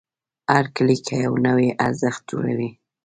هر کلیک یو نوی ارزښت جوړوي.